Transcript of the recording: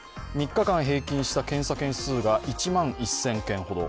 ３日間平均した検査件数が１万１０００件ほど。